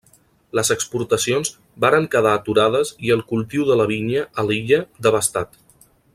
Les exportacions varen quedar aturades i el cultiu de la vinya a l'illa devastat.